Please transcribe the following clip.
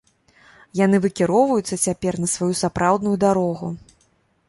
Яны выкіроўваюцца цяпер на сваю сапраўдную дарогу.